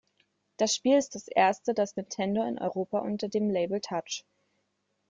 Das Spiel ist das erste, das Nintendo in Europa unter dem Label Touch!